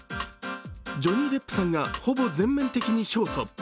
ジョニー・デップさんがほぼ全面的に勝訴。